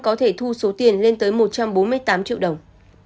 có thể thu số tiền lên tới một trăm bốn mươi tám triệu đồng